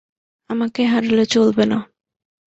আমাকে হারলে চলবে না।